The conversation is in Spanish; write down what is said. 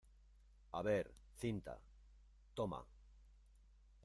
a ver, cinta. toma .